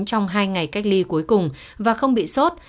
trong hai ngày cách ly cuối cùng và không bị sốt